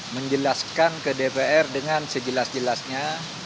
menjelaskan ke dpr dengan sejelas jelasnya